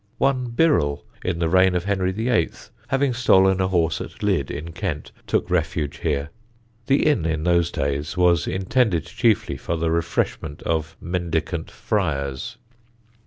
One Birrel, in the reign of Henry VIII., having stolen a horse at Lydd, in Kent, took refuge here. The inn in those days was intended chiefly for the refreshment of mendicant friars.